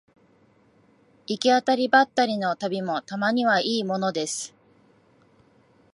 行き当たりばったりの旅もたまにはいいものです